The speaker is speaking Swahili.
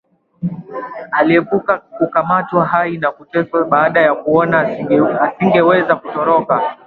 Aliepuka kukamatwa hai na kuteswa baada ya kuona asingeweza kutoroka